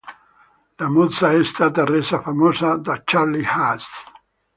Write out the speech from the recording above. La mossa è stata resa famosa da Charlie Haas.